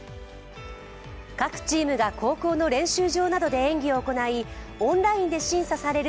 各チームが高校の練習場などで演技を行いオンラインで審査される